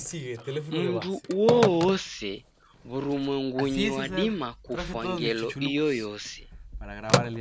Mndu uoose w'urumwengunyi wadima kufwa ngelo iyoyose.